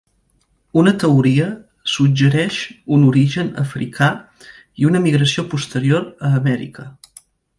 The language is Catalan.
Una teoria suggereix un origen africà i una migració posterior a Amèrica.